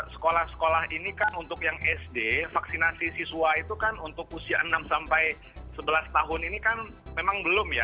sekolah sekolah ini kan untuk yang sd vaksinasi siswa itu kan untuk usia enam sampai sebelas tahun ini kan memang belum ya